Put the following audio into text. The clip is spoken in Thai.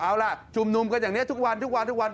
เอาล่ะจุ่มหนุ่มกันอย่างนี้ทุกวัน